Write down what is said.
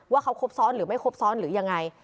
ว่าเขาครบซ้อนหรือไม่ครบซ้อนหรือยังไง